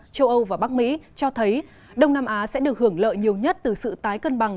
châu âu và bắc mỹ cho thấy đông nam á sẽ được hưởng lợi nhiều nhất từ sự tái cân bằng